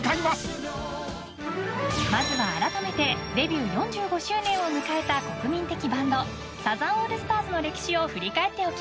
［まずはあらためてデビュー４５周年を迎えた国民的バンドサザンオールスターズの歴史を振り返っておきましょう］